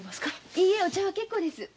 いいえお茶は結構です。